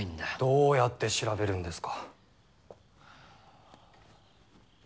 どうやって調べるんですか？